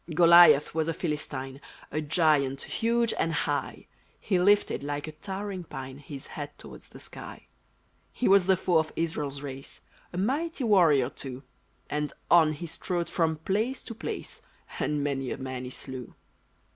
Goliath was a Philistine, A giant, huge and high; He lifted, like a towering pine, His head towards the sky. He was the foe of Israel's race. A mighty warrior, too; And on he strode from place to place, And many a man he slew.